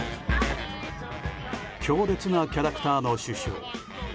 強烈なキャラクターの首相。